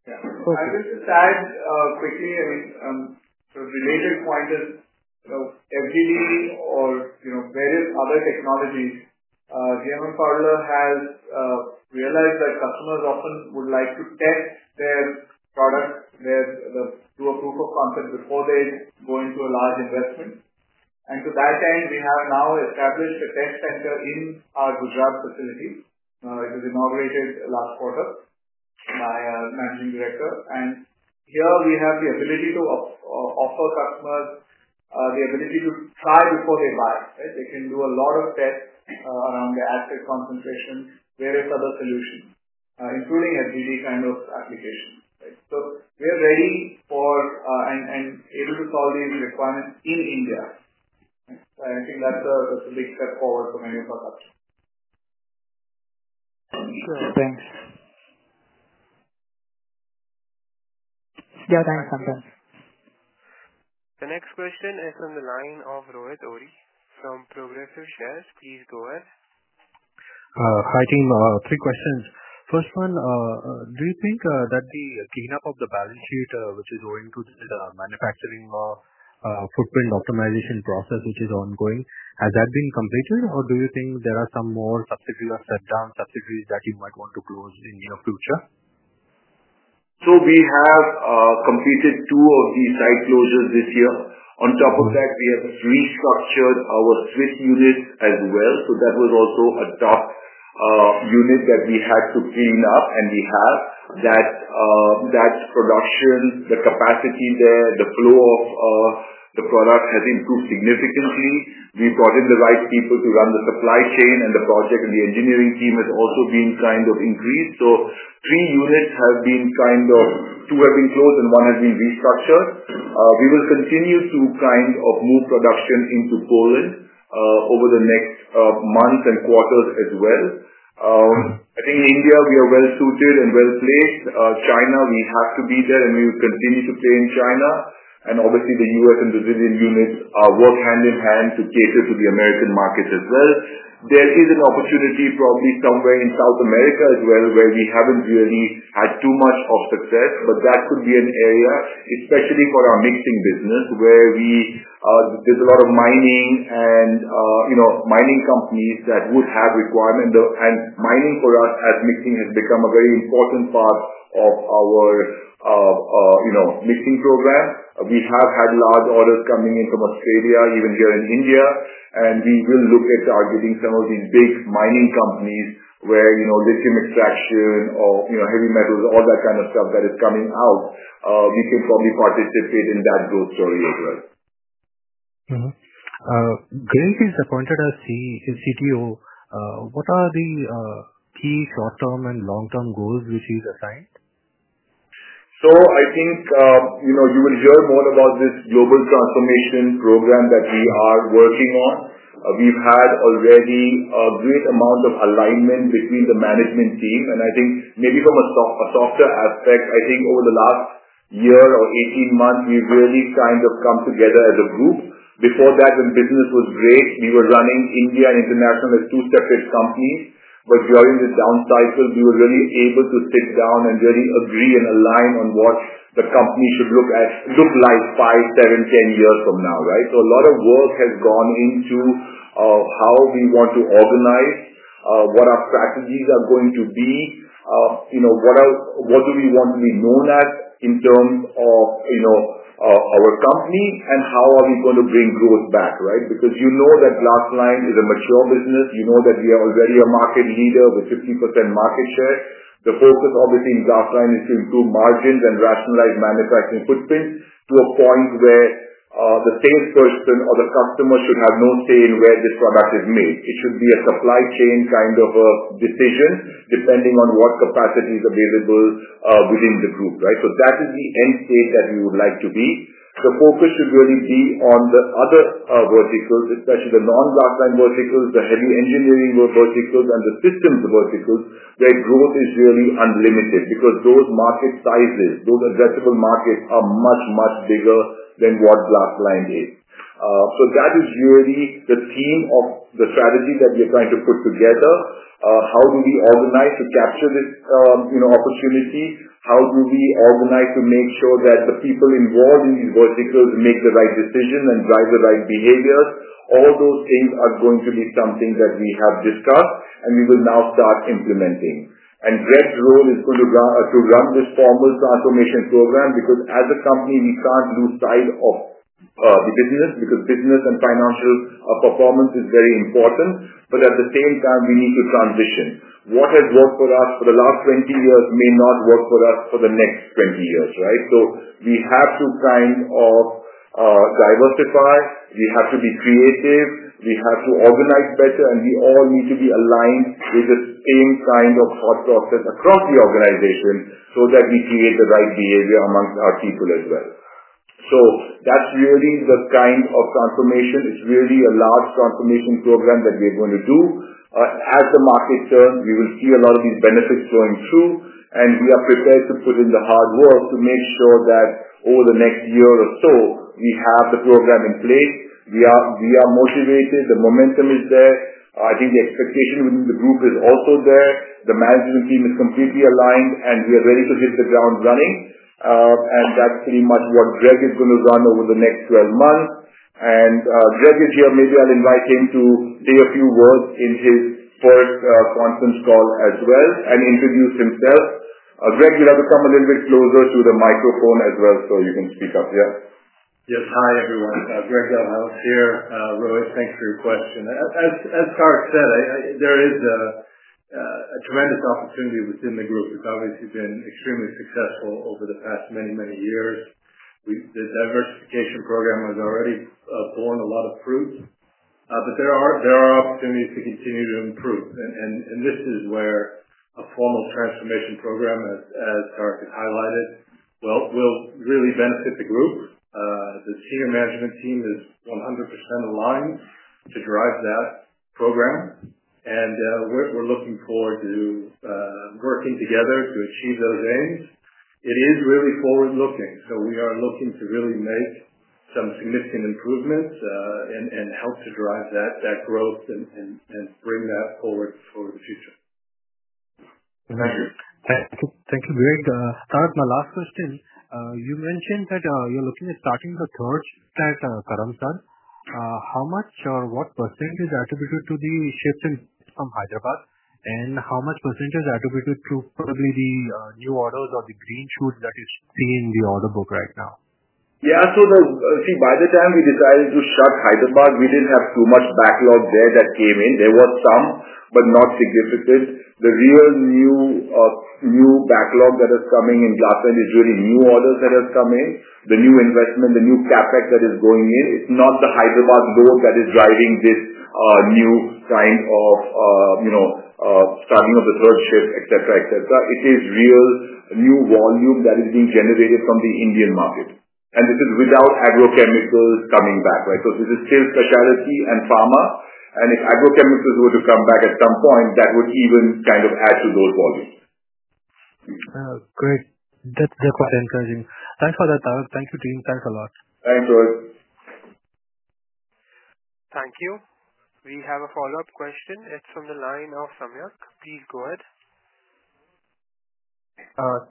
Yeah. I will add quickly, I mean, the related point is SGD or various other technologies. GMM Pfaudler has realized that customers often would like to test their product through a proof of concept before they go into a large investment. To that end, we have now established a test center in our Gujarat facilities. It was inaugurated last quarter by our Managing Director. Here we have the ability to offer customers the ability to try before they buy. They can do a lot of tests around the asset concentration, various other solutions, including SGD kind of applications. We are ready and able to solve these requirements in India. I think that is a big step forward for many of our customers. Cool. Thanks. Yeah, thanks, Sam. The next question is from the line of Rohit Ori from Progressive Shares. Please go ahead. Hi, team. Three questions. First one, do you think that the cleanup of the balance sheet, which is going to the manufacturing or footprint optimization process, which is ongoing, has that been completed? Or do you think there are some more subsidiaries or sub-ground subsidiaries that you might want to close in the near future? We have completed two of these site closures this year. On top of that, we have restructured our Swiss units as well. That was also a top unit that we had to clean up. We have that production, the capacity there, the flow of the product has improved significantly. We've brought in the right people to run the supply chain, and the project and the engineering team has also been kind of increased. Three units have been kind of two have been closed, and one has been restructured. We will continue to kind of move production into Poland over the next months and quarters as well. I think in India, we are well-suited and well-placed. China, we have to be there, and we will continue to play in China. Obviously, the U.S. and Brazilian units work hand in hand to cater to the American market as well. There is an opportunity probably somewhere in South America as well where we have not really had too much of success. That could be an area, especially for our mixing business, where there is a lot of mining and mining companies that would have requirements. Mining for us as mixing has become a very important part of our mixing program. We have had large orders coming in from Australia, even here in India. We will look at targeting some of these big mining companies where lithium extraction or heavy metals, all that kind of stuff that is coming out. We can probably participate in that growth story as well. Great. He's appointed as his CTO. What are the key short-term and long-term goals which he's assigned? I think you will hear more about this global transformation program that we are working on. We've had already a great amount of alignment between the management team. I think maybe from a softer aspect, I think over the last year or 18 months, we've really kind of come together as a group. Before that, when the business was great, we were running India and international as two separate companies. During the down cycle, we were really able to sit down and really agree and align on what the company should look like 5, 7, 10 years from now, right? A lot of work has gone into how we want to organize, what our strategies are going to be, what do we want to be known as in terms of our company, and how are we going to bring growth back, right? Because you know that glass line is a mature business. You know that we are already a market leader with 50% market share. The focus, obviously, in glass line is to improve margins and rationalize manufacturing footprint to a point where the salesperson or the customer should have no say in where this product is made. It should be a supply chain kind of a decision depending on what capacity is available within the group, right? That is the end state that we would like to be. The focus should really be on the other verticals, especially the non-glass line verticals, the heavy engineering verticals, and the systems verticals where growth is really unlimited because those market sizes, those addressable markets are much, much bigger than what glass line is. That is really the theme of the strategy that we are trying to put together. How do we organize to capture this opportunity? How do we organize to make sure that the people involved in these verticals make the right decision and drive the right behavior? All those things are going to be something that we have discussed, and we will now start implementing. Red Role is going to run this formal transformation program because, as a company, we can't lose sight of the business because business and financial performance is very important. At the same time, we need to transition. What has worked for us for the last 20 years may not work for us for the next 20 years, right? We have to kind of diversify. We have to be creative. We have to organize better, and we all need to be aligned with the same kind of thought process across the organization so that we create the right behavior amongst our people as well. That is really the kind of transformation. It is really a large transformation program that we are going to do. As the market turns, we will see a lot of these benefits flowing through. We are prepared to put in the hard work to make sure that over the next year or so, we have the program in place. We are motivated. The momentum is there. I think the expectation within the group is also there. The management team is completely aligned, and we are ready to hit the ground running. That is pretty much what Greg is going to run over the next 12 months. Greg is here. Maybe I'll invite him to say a few words in his first conference call as well and introduce himself. Greg, you'd like to come a little bit closer to the microphone as well so you can speak up, yeah? Yes. Hi, everyone. Gregory Gelhaus here. Rohit, thanks for your question. As Tarak said, there is a tremendous opportunity within the group. The companies have been extremely successful over the past many, many years. This diversification program has already borne a lot of fruit. There are opportunities to continue to improve. A formal transformation program, as Tarak had highlighted, will really benefit the group. The senior management team is 100% aligned to drive that program. We are looking forward to working together to achieve those aims. It is really forward-looking. We are looking to really make some significant improvements and help to drive that growth and bring that forward for the future. Thank you. Thank you, Greg. Karth, my last question. You mentioned that you're looking at starting the third stage, Karamstan. How much or what % is attributed to the shift in from Hyderabad, and how much % is attributed to probably the new orders or the green shoots that you see in the order book right now? Yeah. See, by the time we decided to start Hyderabad, we did not have too much backlog there that came in. There was some, but not significant. The real new backlog that is coming in Glassland is really new orders that have come in, the new investment, the new CapEx that is going in. It is not the Hyderabad growth that is driving this new kind of starting of the third shift, etc., etc. It is real new volume that is being generated from the Indian market. This is without agrochemicals coming back, right? This is still specialty and pharma. If agrochemicals were to come back at some point, that would even kind of add to those volumes. Great. That's quite encouraging. Thanks for that, Tarak. Thank you, team. Thanks a lot. Thanks, Rohit. Thank you. We have a follow-up question. It's from the line of Samyuk. Please go ahead.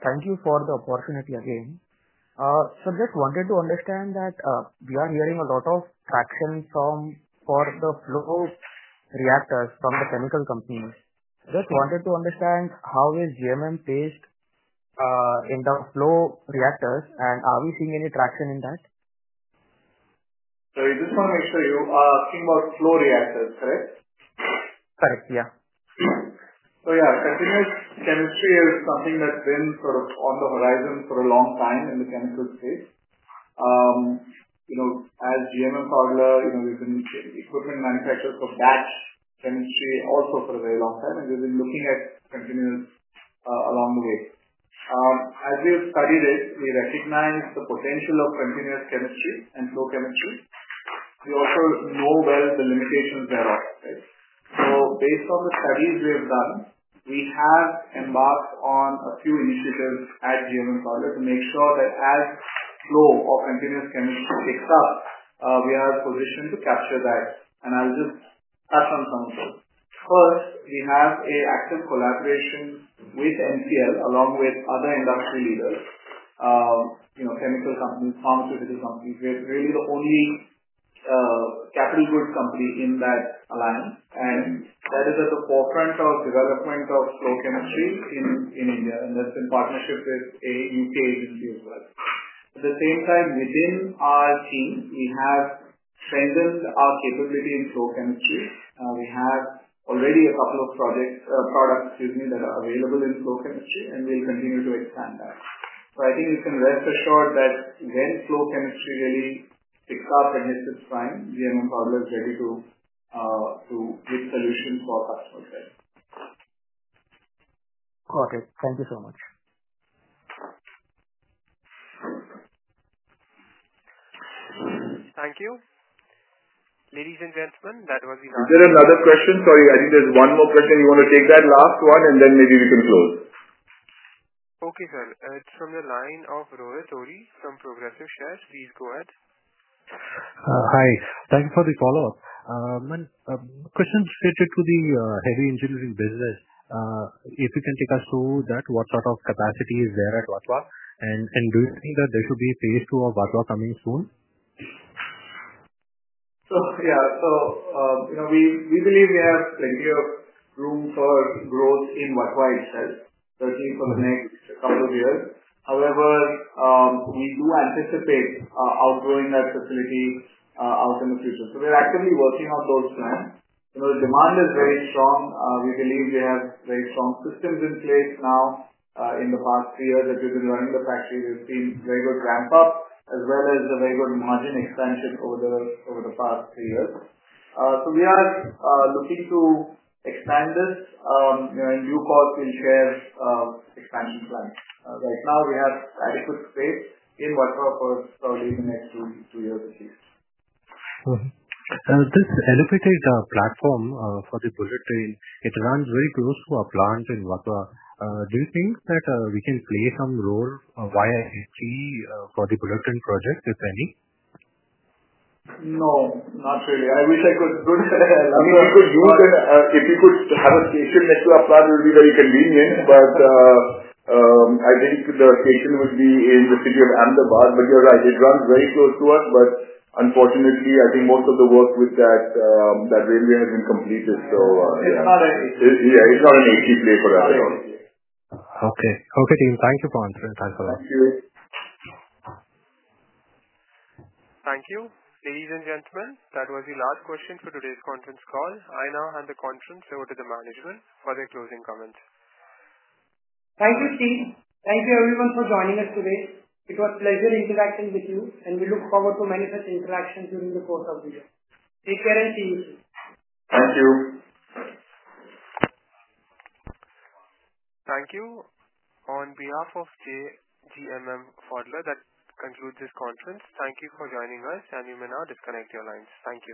Thank you for the opportunity again. Samyuk wanted to understand that we are hearing a lot of traction for the flow reactors from the chemical companies. Samyuk wanted to understand how is GMM placed in the flow reactors, and are we seeing any traction in that? Is this from H2U? I'm asking about flow reactors, correct? Correct, yeah. Oh yeah, continuous chemistry is something that's been sort of on the horizon for a long time in the chemical space. As GMM Pfaudler, we've been equipment manufacturers for batch chemistry also for a very long time, and we've been looking at continuous along the way. As we have studied it, we recognize the potential of continuous chemistry and flow chemistry. We also know better the limitations there are. Based on the studies we have done, we have embarked on a few initiatives at GMM Pfaudler to make sure that as flow or continuous chemistry kicks off, we are positioned to capture that. I'll just add some counsel. First, we have an active collaboration with MCL along with other industry leaders, chemical companies, pharmaceutical companies. We're really the only capital goods company in that alliance. Rohit is at the forefront of development of flow chemistry in India, and that's in partnership with a U.K. agency as well. At the same time, within our team, we have strengthened our capability in flow chemistry. We have already a couple of products that are available in flow chemistry, and we'll continue to expand that. I think we can rest assured that when flow chemistry really picks up and hits its prime, GMM Pfaudler is ready to create solutions for our customers. Got it. Thank you so much. Thank you. Ladies and gentlemen, that was the. Is there another question? Sorry, I think there's one more question. You want to take that last one, and then maybe we can close. Okay, sir. It's from the line of Rohit Ori from Progressive Shares. Please go ahead. Hi. Thank you for the follow-up. Question related to the heavy engineering business. If you can take us through that, what sort of capacity is there at Vatwa? And do you think that there should be a phase two of Vatwa coming soon? Yeah, we believe we have plenty of room for growth in Watwa itself, certainly for the next couple of years. However, we do anticipate outgrowing that facility out in the future. We are actively working our first draft. The demand is very strong. We believe we have very strong systems in place now. In the past three years that we've been running the factory, there's been very good ramp-up as well as a very good margin expansion over the past three years. We are looking to expand this and do quality shares expansion plan. Right now, we have adequate space in Watwa for the next. This elevated platform for the bulletin, it runs very close to a plant in Vatva. Do you think that we can play some role via HC for the bulletin project, if any? No, not really. I wish I could. I mean, we could use a station next to a plant. It would be very convenient. I think the station would be in the city of Ahmedabad. You're right. It runs very close to us. Unfortunately, I think most of the work with that railway has been completed. Yeah, it's not an HC play for us. Okay. Okay, team. Thank you for answering. Thanks a lot. Thank you. Ladies and gentlemen, that was the last question for today's conference call. I now hand the conference over to the management for their closing comments. Thank you, team. Thank you, everyone, for joining us today. It was a pleasure interacting with you, and we look forward to manufacturing interactions during the course of the year. Take care and see you. Thank you. Thank you. On behalf of GMM Pfaudler, that concludes this conference. Thank you for joining us, and you may now disconnect your lines. Thank you.